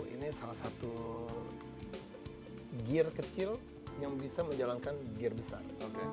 ini salah satu gear kecil yang bisa menjalankan gear besar